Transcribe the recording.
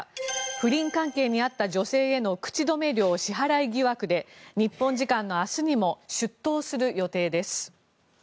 不倫関係にあった女性への口止め料支払い疑惑で日本時間の明日にも出頭する予定です。